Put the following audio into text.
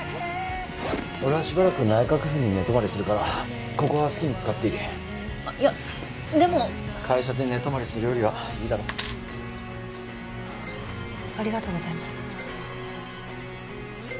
俺はしばらく内閣府に寝泊まりするからここは好きに使っていいいやでも会社で寝泊まりするよりはいいだろありがとうございます